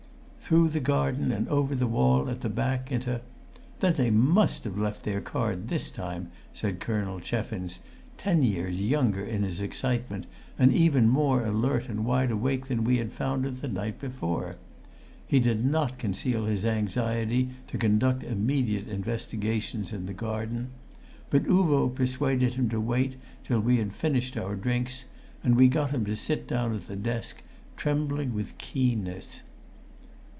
"Through the garden and over the wall at the back into " "Then they must have left their card this time!" said Colonel Cheffins, ten years younger in his excitement, and even more alert and wide awake than we had found him the night before. He did not conceal his anxiety to conduct immediate investigations in the garden. But Uvo persuaded him to wait till we had finished our drinks, and we got him to sit down at the desk, trembling with keenness.